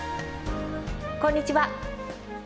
こんにちは。